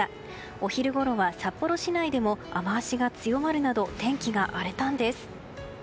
お昼ごろは、札幌市内でも雨脚が強まるなど天気が荒れたんです。